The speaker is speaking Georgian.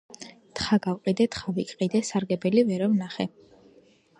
თხა გავყიდე, თხა ვიყიდე, სარგებელი ვერა ვნახე.